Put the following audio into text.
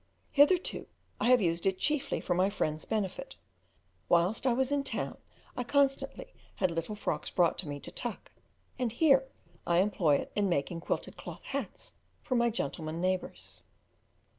Hitherto I have used it chiefly for my friends' benefit; whilst I was in town I constantly had little frocks brought to me to tuck, and here I employ it in making quilted cloth hats for my gentlemen neighbours.